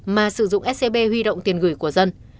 mà sử dụng scb huy động tiền gửi của dân